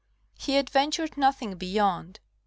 He adventured nothing beyond.